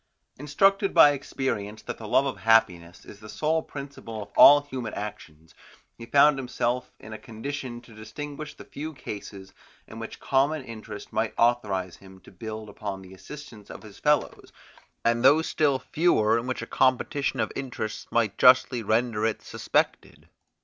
Instructed by experience that the love of happiness is the sole principle of all human actions, he found himself in a condition to distinguish the few cases, in which common interest might authorize him to build upon the assistance of his fellows, and those still fewer, in which a competition of interests might justly render it suspected.